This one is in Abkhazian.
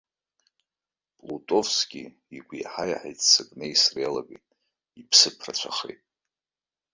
Плутовски игәы еиҳа-еиҳа ирццакны аисра иалагеит, иԥсыԥ рацәахеит.